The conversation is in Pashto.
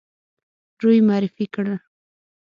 روی معرفي کړ.